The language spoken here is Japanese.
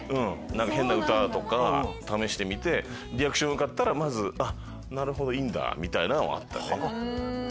変な歌とか試してみてリアクションよかったらなるほどいいんだ！みたいな。